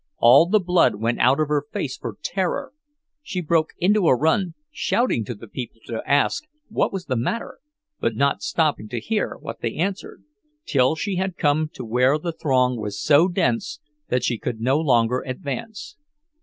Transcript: All the blood went out of her face for terror. She broke into a run, shouting to the people to ask what was the matter, but not stopping to hear what they answered, till she had come to where the throng was so dense that she could no longer advance.